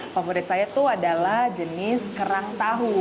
favorit saya itu adalah jenis kerang tahu